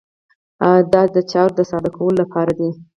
دا د چارو د ساده کولو لپاره دی.